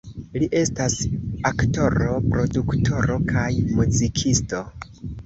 Li estas aktoro, produktoro kaj muzikisto.